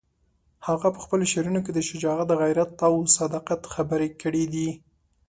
هغه په خپلو شعرونو کې د شجاعت، غیرت او صداقت خبرې کړې دي.